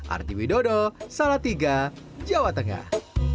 arti widodo salatiga jawa tengah